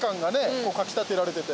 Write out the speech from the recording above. こうかきたてられてて。